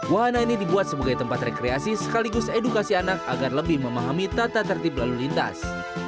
wahana ini dibuat sebagai tempat rekreasi sekaligus edukasi anak agar lebih memahami tata tertib lalu lintas